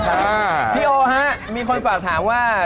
พี่โอฮะมีคนฝากถามว่า